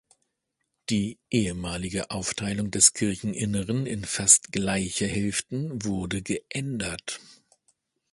Die ehemalige Aufteilung des Kircheninneren in fast gleiche Hälften wurde geändert.